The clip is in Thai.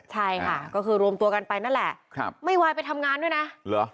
ใช่ค่ะก็คือรวมตัวกันไปนั่นแหละครับไม่ไหวไปทำงานด้วยนะเหรอ